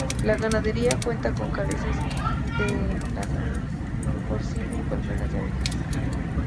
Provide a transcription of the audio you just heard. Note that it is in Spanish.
La ganadería cuenta con cabezas de lanar, porcino y colmenas de abejas.